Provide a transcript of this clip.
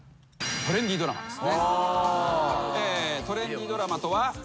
トレンディードラマとは。